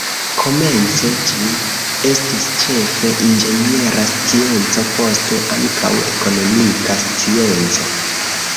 Komence ĝi estis ĉefe inĝeniera scienco, poste ankaŭ ekonomika scienco.